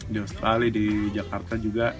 di australia di jakarta juga tahun sembilan puluh an